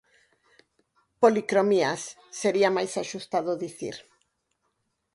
Policromías, sería máis axustado dicir.